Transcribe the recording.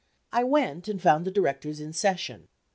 I went, and found the directors in session.